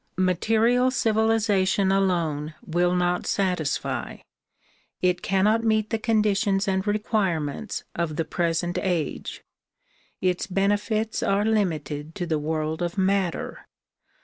Material civilization alone will not satisfy; it cannot meet the conditions and requirements of the present age. Its benefits are limited to the world of matter.